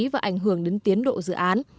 và ảnh hưởng đến tiến độ dự án